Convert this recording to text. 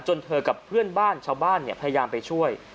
เธอกับเพื่อนบ้านชาวบ้านพยายามไปช่วย